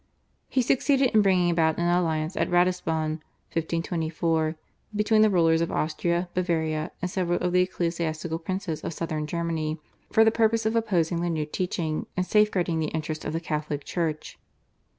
He succeeded in bringing about an alliance at Ratisbon (1524) between the rulers of Austria, Bavaria, and several of the ecclesiastical princes of Southern Germany for the purpose of opposing the new teaching and safeguarding the interests of the Catholic Church.